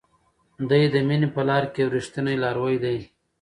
دی د مینې په لار کې یو ریښتینی لاروی دی.